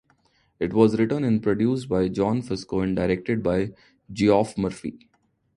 It was written and produced by John Fusco and directed by Geoff Murphy.